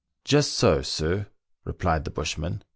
" "Just so, sir," replied the bushman.